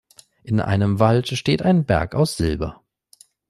In einem Wald steht ein Berg aus Silber.